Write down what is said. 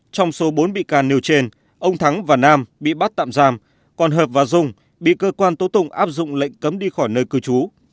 trong số bốn bị can nêu trên ông thắng và nam bị bắt tạm giam còn hợp và dung bị cơ quan tố tụng áp dụng lệnh cấm đi khỏi nơi cư trú